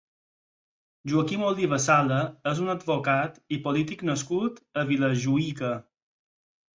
Joaquim Oliva Sala és un advocat i polític nascut a Vilajuïga.